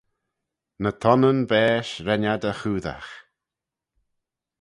Ny tonnyn baaish ren ad y choodagh.